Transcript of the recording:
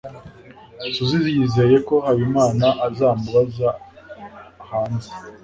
suzy yizeye ko habimana azamubaza hanze